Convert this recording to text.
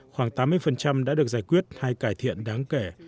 khoảng tám mươi đã được giải quyết hay cải thiện đáng kể